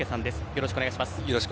よろしくお願いします。